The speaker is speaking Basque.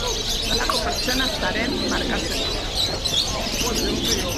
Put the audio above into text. Nolako pertsona zaren markatzen du.